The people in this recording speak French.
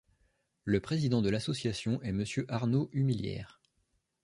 Le président de l'association est Monsieur Arnaud Humiliere.